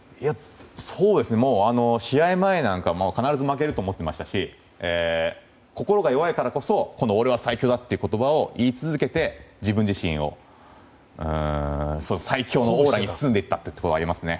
試合前なんか必ず負けると思ってましたし心が弱いからこそ俺は最強だという言葉を言い続けて自分自身を最強のオーラに包んでいったのはあります。